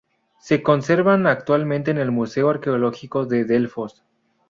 Se conservan actualmente en el Museo Arqueológico de Delfos.